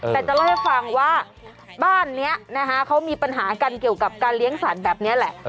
แต่จะเล่าให้ฟังว่าบ้านนี้นะคะเขามีปัญหากันเกี่ยวกับการเลี้ยงสัตว์แบบนี้แหละ